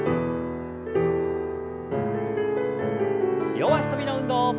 両脚跳びの運動。